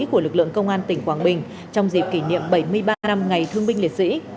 của lực lượng công an tỉnh quảng bình trong dịp kỷ niệm bảy mươi ba năm ngày thương binh liệt sĩ